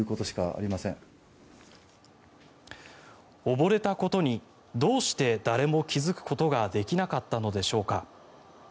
溺れたことにどうして誰も気付くことができなかったのでしょうか。